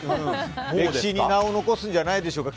歴史に名を残すんじゃないでしょうか。